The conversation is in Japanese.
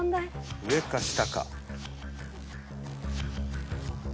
上か下か。